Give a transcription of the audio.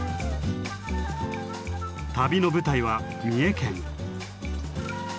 旅の舞台は三重県。